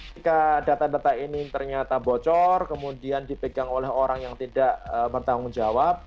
jika data data ini ternyata bocor kemudian dipegang oleh orang yang tidak bertanggung jawab